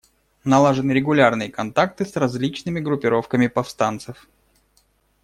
Налажены регулярные контакты с различными группировками повстанцев.